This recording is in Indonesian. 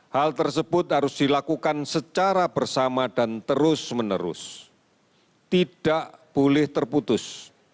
hal tersebut harus dilakukan secara bersama dan terus menerus tidak boleh terputus